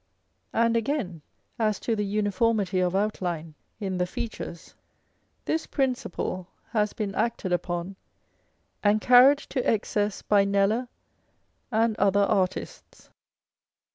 And again, as to the uniformity of outline in the features, this principle has been acted upon and carried to excess by Kneller and other artists.